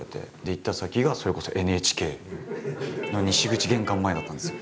行った先がそれこそＮＨＫの西口玄関前だったんですよ。